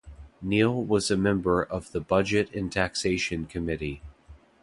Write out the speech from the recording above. Neall was a member of the Budget and Taxation Committee.